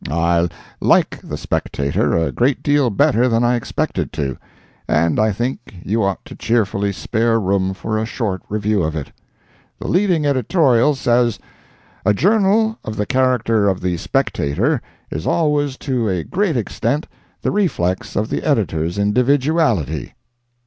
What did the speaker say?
I like the Spectator a great deal better than I expected to, and I think you ought to cheerfully spare room for a short review of it. The leading editorial says: "A journal of the character of the Spectator is always to a great extent the reflex of the editor's individuality."